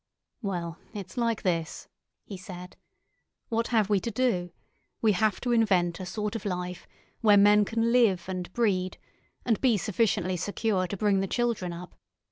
"Well, it's like this," he said. "What have we to do? We have to invent a sort of life where men can live and breed, and be sufficiently secure to bring the children up.